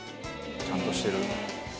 ちゃんとしてる。